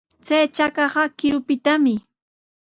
Chay chakaqa qirupitami.